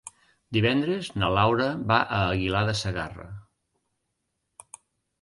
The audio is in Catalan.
Divendres na Laura va a Aguilar de Segarra.